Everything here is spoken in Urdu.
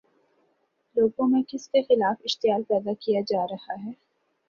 لوگوں میں کس کے خلاف اشتعال پیدا کیا جا رہا ہے؟